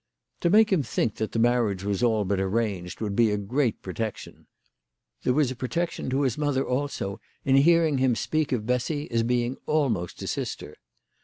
To make him think that the marriage was all but arranged would be a great protection. There was a protection to his mother also in hearing him speak of Bessy as being almost a sister.